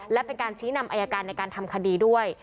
และเป็นการชี้นำอายการในการทำคดีด้วย